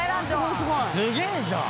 すげえじゃん！